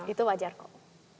itu wajar kok